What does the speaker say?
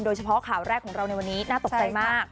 โดยเฉพาะข่าวแรกของเราในวันนี้น่าตกใจมาก